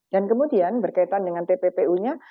dan kemudian berkaitan dengan tppu nya